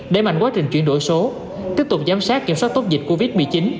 đẩy mạnh quá trình chuyển đổi số tiếp tục giám sát kiểm soát tốt dịch covid một mươi chín